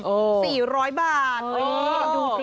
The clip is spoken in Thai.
เออเฮ่ยดูตริงโอ้โฮ